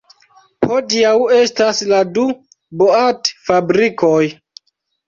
Hodiaŭ estas du boat-fabrikoj.